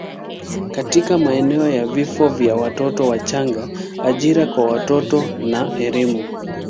katika maeneo ya vifo vya watoto wachanga, ajira kwa watoto na elimu.